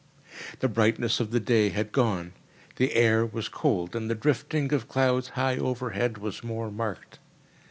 The brightness of the day had gone. The air was cold, and the drifting of clouds high overhead was more marked.